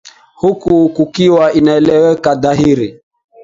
huku kukiwa inaeleweka dhahiri